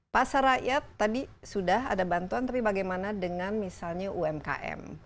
pasar rakyat tadi sudah ada bantuan tapi bagaimana dengan misalnya umkm